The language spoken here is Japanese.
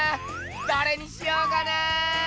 どれにしようかな！